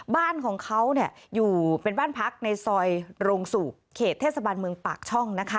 บ้านของเขาอยู่เป็นบ้านพักในซอยโรงสุกเขตเทศบาลเมืองปากช่องนะคะ